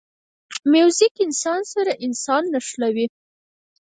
موزیک انسان سره انسان نښلوي.